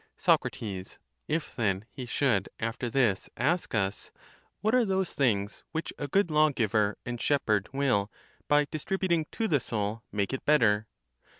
Soc. If then he should after this ask us— What are those things which a good law giver and shepherd will, by dis tributing to the soul, make it better